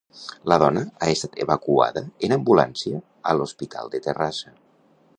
La dona ha estat evacuada en ambulància a l'Hospital de Terrassa.